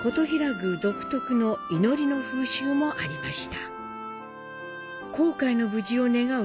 宮独特の祈りの風習もありました。